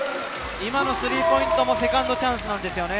今のスリーポイントもセカンドチャンスなんですよね。